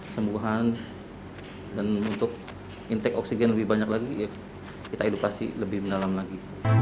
sembuhan dan untuk intake oksigen lebih banyak lagi kita edukasi lebih mendalam lagi